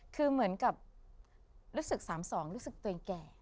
คือเหมือนกับรู้สึก๓๒รู้สึกตัวเองแก่